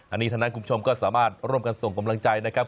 อันนี้ทั้งนั้นคุณผู้ชมก็สามารถร่วมกันส่งกำลังใจนะครับ